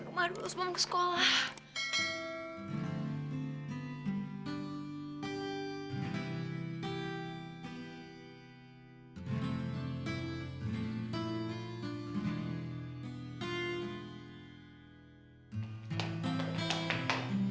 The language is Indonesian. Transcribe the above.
gue mau ke sekolah